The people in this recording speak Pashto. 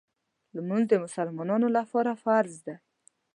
لمونځ د مسلمانانو لپاره فرض دی.